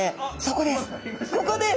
ここです！